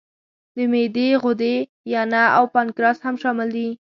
د معدې غدې، ینه او پانکراس هم شامل دي.